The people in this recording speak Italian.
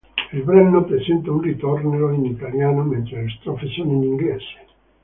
Il brano presenta un ritornello in italiano, mentre le strofe sono in inglese.